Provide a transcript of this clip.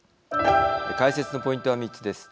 解説のポイントは３つです。